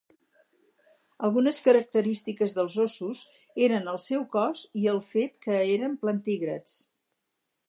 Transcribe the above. Algunes característiques dels óssos eren el seu cos i el fet que eren plantígrads.